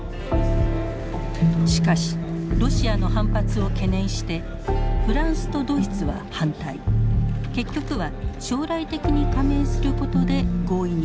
しかしロシアの反発を懸念してフランスとドイツは反対結局は将来的に加盟することで合意に達しました。